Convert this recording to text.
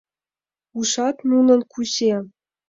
— Ужат, нунын кузе!